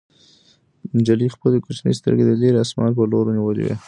نجلۍ خپلې کوچنۍ سترګې د لیرې اسمان په لور نیولې وې.